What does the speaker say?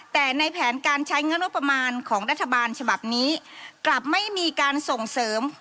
แต่ในแผนการใช้งบประมาณของรัฐบาลฉบับนี้กลับไม่มีการส่งเสริม